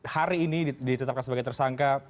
hari ini ditetapkan sebagai tersangka